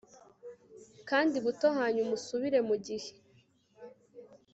kanda buto hanyuma usubire mugihe